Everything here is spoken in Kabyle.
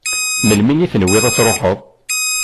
Melmi i tenwiḍ ad tṛuḥeḍ?